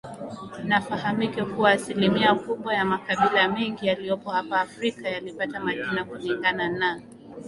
Nafahamike kuwa asilimia kubwa ya makabila mengi yaliyopo hapa Afrika yalipata majina kulingana na